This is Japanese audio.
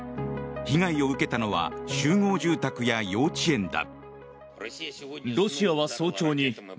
被害を受けたのは集合住宅や幼稚園だ。